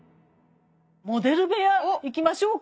モデル部屋いきましょうか。